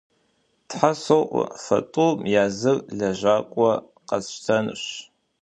Тхьэ соӏуэ, фэ тӏум я зыр лэжьакӏуэ къэсщтэнущ.